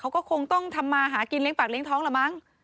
เขาก็คงต้องทำมาหากินเลี้ยปากเลี้ยท้องละมั้ง